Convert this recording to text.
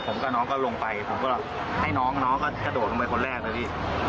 ผมกับน้องก็ลงไปผมก็ให้น้องน้องก็กระโดดลงไปคนแรกเลยพี่